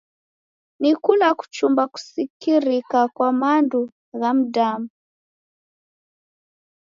Ni kula kuchumba kusikirika kwa madu gha mdamu.